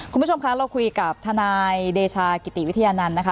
คุณผู้ชมคะเราคุยกับทนายเดชากิติวิทยานันต์นะคะ